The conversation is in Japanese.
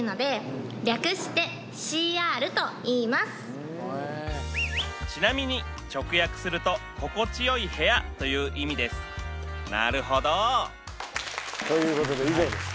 正解はちなみに直訳すると「心地良い部屋」という意味ですなるほどということで以上です